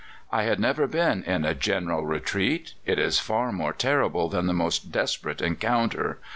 "I had never been in a general retreat. It is far more terrible than the most desperate encounter.